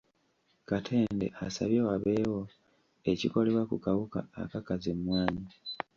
Katende asabye wabeewo ekikolebwa ku kawuka akakaza emmwanyi